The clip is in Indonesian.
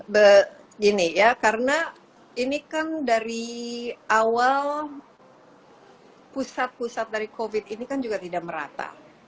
begini ya karena ini kan dari awal pusat pusat dari covid ini kan juga tidak merata